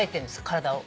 体を。